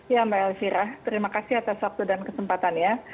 ya mbak elvira terima kasih atas waktu dan kesempatannya